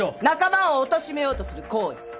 仲間をおとしめようとする行為